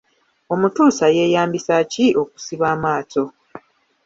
Omutuusa yeeyambisa ki okusiba amaato?